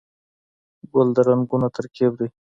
ګل د رنګونو ترکیب دی.